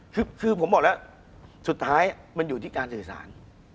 คุณผู้ชมบางท่าอาจจะไม่เข้าใจที่พิเตียร์สาร